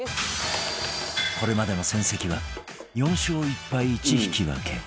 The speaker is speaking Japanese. これまでの戦績は４勝１敗１引き分け